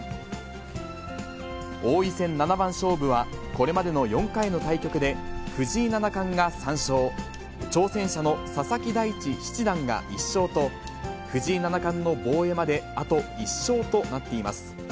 王位戦七番勝負は、これまでの４回の対局で、藤井七冠が３勝、挑戦者の佐々木大地七段が１勝と、藤井七冠の防衛まであと１勝となっています。